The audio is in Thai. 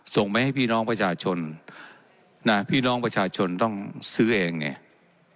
ส่งไปให้พี่น้องประชาชนนะพี่น้องประชาชนต้องซื้อเองไง